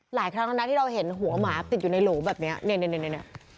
หลายครั้งตอนนั้นที่เราเห็นหัวหมาติดอยู่ในโหลแบบนี้